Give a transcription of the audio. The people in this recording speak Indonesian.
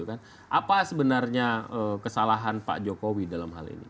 apa sebenarnya kesalahan pak jokowi dalam hal ini